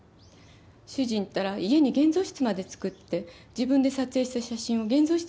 主人ったら家に現像室まで造って自分で撮影した写真を現像してるんですよ。